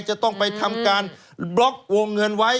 จะต้องไปทำการบล็อกวงเงินไว้